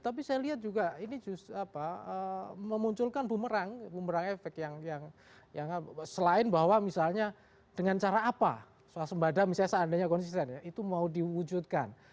tapi saya lihat juga ini justru memunculkan bumerang efek yang selain bahwa misalnya dengan cara apa suasembada misalnya seandainya konsisten ya itu mau diwujudkan